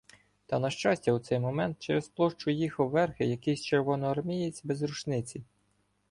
Та, на щастя, у цей момент через площу їхав верхи якийсь червоноармієць без рушниці.